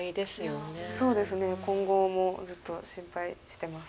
そうですね今後もずっと心配してます。